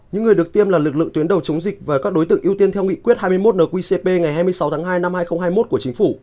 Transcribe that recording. những người được tiêm là lực lượng tuyến đầu chống dịch và các đối tượng ưu tiên theo nghị quyết hai mươi một nqcp ngày hai mươi sáu tháng hai năm hai nghìn hai mươi một của chính phủ